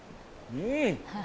うん！